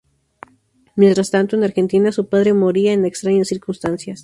Mientras tanto, en Argentina, su padre moría en extrañas circunstancias.